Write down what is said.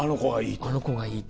あの子がいいって。